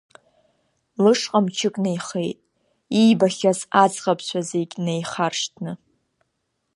Лышҟа мчык наихеит, иибахьаз аӡӷабцәа зегь наихаршҭны.